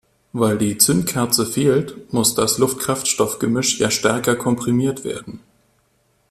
Weil die Zündkerze fehlt, muss das Luft-Kraftstoff-Gemisch ja stärker komprimiert werden.